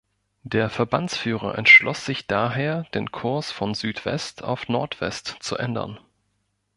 Der Verbandsführer entschloss sich daher, den Kurs von Südwest auf Nordwest zu ändern.